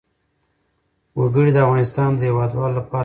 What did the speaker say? وګړي د افغانستان د هیوادوالو لپاره ویاړ دی.